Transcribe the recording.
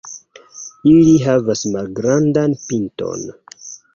Ili havas malgrandan pinton.